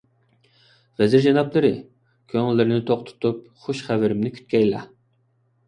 ۋەزىر جانابلىرى، كۆڭۈللىرىنى توق تۇتۇپ خۇش خەۋىرىمنى كۈتكەيلا.